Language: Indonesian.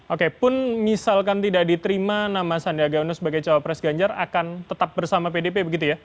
oke pun misalkan tidak diterima nama sandiaga uno sebagai cawapres ganjar akan tetap bersama pdp begitu ya